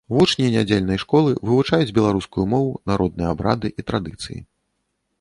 Вучні нядзельнай школы вывучаюць беларускую мову, народныя абрады і традыцыі.